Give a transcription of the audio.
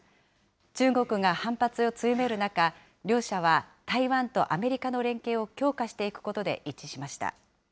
中国が反発を強める中、両者は台湾とアメリカの連携を強化していくことで一致しました。